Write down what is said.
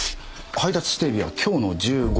配達指定日は今日の１５時。